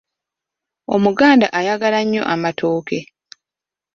Omuganda ayagala nnyo amatooke.